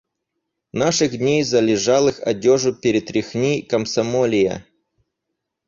Наших дней залежалых одёжу перетряхни, комсомолия!